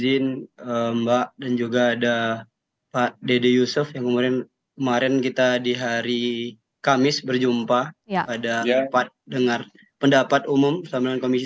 dan izin mbak dan juga ada pak dede yusuf yang kemarin kita di hari kamis berjumpa pada empat dengar pendapat umum sambilan komisi sepuluh